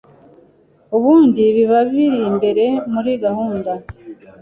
ubundi biba biri imbere muri gahunda